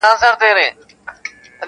آزمیېلی دی دا اصل په نسلونو -